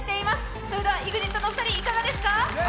それではＥＸＩＴのお二人、いかがですか？